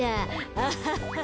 アハハ。